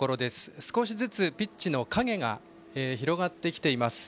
少しずつピッチの影が広がってきています。